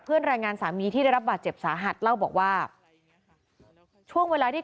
แรงงานสามีที่ได้รับบาดเจ็บสาหัสเล่าบอกว่าช่วงเวลาที่